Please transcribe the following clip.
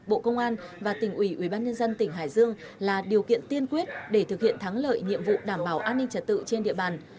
bộ công an và tỉnh ủy ủy ban nhân dân tỉnh hải dương là điều kiện tiên quyết để thực hiện thắng lợi nhiệm vụ đảm bảo an ninh trật tự trên địa bàn